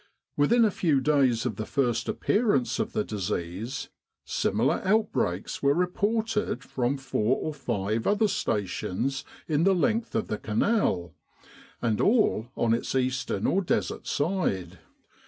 Within a few days of the first appearance of the disease, similar outbreaks were reported from four or five other stations in the length of the Canal, and all on its eastern or Desert side.